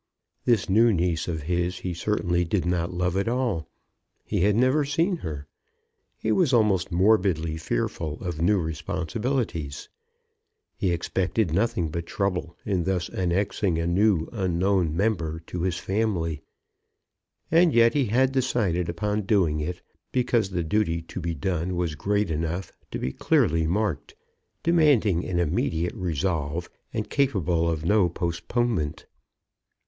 This new niece of his he certainly did not love at all. He had never seen her. He was almost morbidly fearful of new responsibilities. He expected nothing but trouble in thus annexing a new unknown member to his family. And yet he had decided upon doing it, because the duty to be done was great enough to be clearly marked, demanding an immediate resolve, and capable of no postponement.